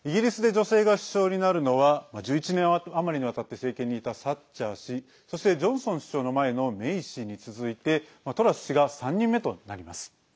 イギリスで女性が首相になるのは１１年余りにわたって政権にいたサッチャー氏そしてジョンソン首相の前のメイ氏に続いてトラス氏が３人目となります。